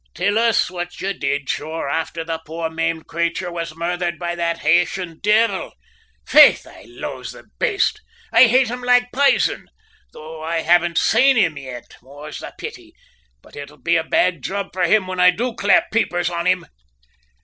"Till us what you did, sure, afther the poor maimed crayture was murthered by that Haytian divvle. Faith, I loathe the baste. I hate him like pizen, though I haven't sane him yit, more's the pity; but it'll be a bad job for him when I do clap my peepers on him!"